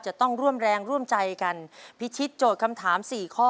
จะต้องร่วมแรงร่วมใจกันพิชิตโจทย์คำถามสี่ข้อ